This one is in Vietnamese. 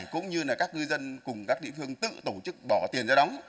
cũng như các ngư dân cùng các địa phương tự tổ chức bỏ tiền ra đóng